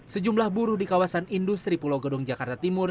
sejumlah buruh di kawasan industri pulau gedung jakarta timur